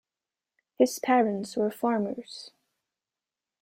His parents were farmers.